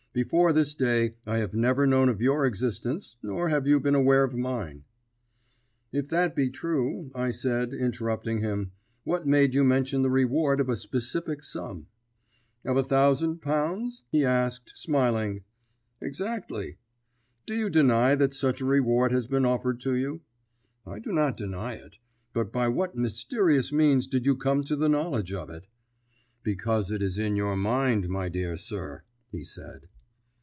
Before this day I have never known of your existence, nor have you been aware of mine." "If that be true," I said, interrupting him, "what made you mention the reward of a specific sum?" "Of a thousand pounds?" he asked, smiling. "Exactly." "Do you deny that such a reward has been offered to you?" "I do not deny it; but by what mysterious means did you come to the knowledge of it?" "Because it is in your mind, my dear sir," he said.